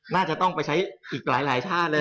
น่าจะต้องไปใช้อีกหลายท่าเลย